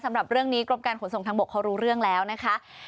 สำหรับเรื่องนี้กรมการขนส่งทางบกเขารู้เรื่องแล้วนะคะ